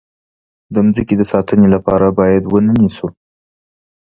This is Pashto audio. د مځکې د ساتنې لپاره باید ونه نیسو.